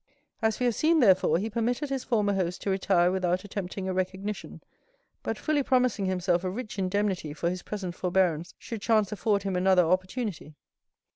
As we have seen, therefore, he permitted his former host to retire without attempting a recognition, but fully promising himself a rich indemnity for his present forbearance should chance afford him another opportunity.